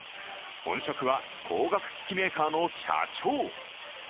本職は光学機器メーカーの社長。